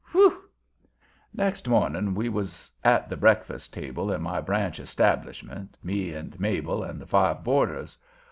Whew!" Next morning we was at the breakfast table in my branch establishment, me and Mabel and the five boarders.